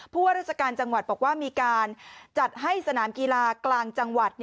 ว่าราชการจังหวัดบอกว่ามีการจัดให้สนามกีฬากลางจังหวัด